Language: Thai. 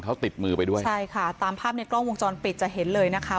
เขาติดมือไปด้วยใช่ค่ะตามภาพในกล้องวงจรปิดจะเห็นเลยนะคะ